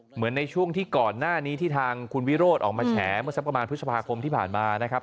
เหมือนในช่วงที่ก่อนหน้านี้ที่ทางคุณวิโรธออกมาแฉเมื่อสักประมาณพฤษภาคมที่ผ่านมานะครับ